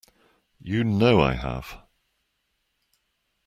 You know I have.